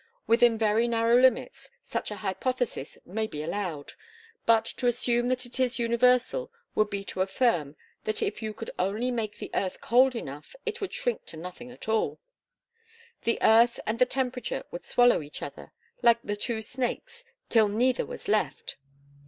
Within very narrow limits, such a hypothesis may be allowed; but to assume that it is universal, would be to affirm that if you could only make the earth cold enough it would shrink to nothing at all! The earth and the temperature would swallow each other, like the two snakes, till neither was left.